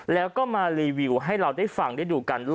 แล้วก็มารีวิวให้เราได้ฟังได้ดูกัน